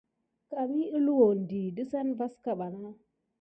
Ngawni lulundi tisank kinaya ket naditite nanai.